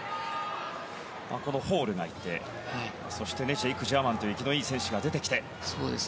このホールがいて、そしてジェイク・ジャーマンという生きのいい選手が出てきて。